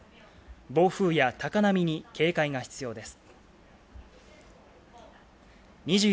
暴風や高波に警戒が必要です。